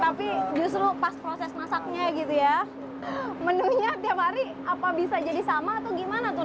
tapi justru pas proses masaknya gitu ya menunya tiap hari apa bisa jadi sama atau gimana tuh